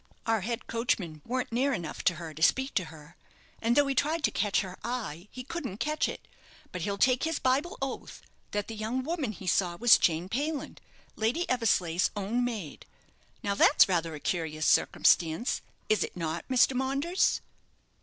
Our head coachman warn't near enough to her to speak to her; and though he tried to catch her eye he couldn't catch it; but he'll take his Bible oath that the young woman he saw was Jane Payland, Lady Eversleigh's own maid. Now, that's rather a curious circumstance, is it not, Mr. Maunders?"